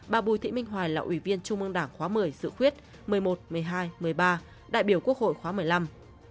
bà bùi thị minh hoài là ủy viên trung ương đảng khóa một mươi dự khuyết một mươi một một mươi hai một mươi ba đại biểu quốc hội khóa một mươi năm